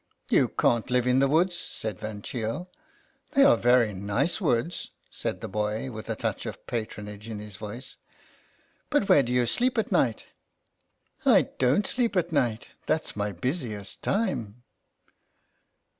"You can't live in the woods," said Van Cheele. " They are very nice woods," said the boy, with a touch of patronage in his voice. " But where do you sleep at night ?"" I don't sleep at night ; that's my busiest time."